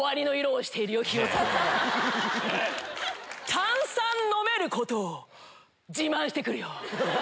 炭酸飲めることを自慢して来るよ。